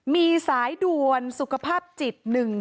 มีสายด่วนสุขภาพจิต๑๔